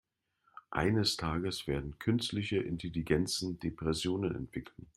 Eines Tages werden künstliche Intelligenzen Depressionen entwickeln.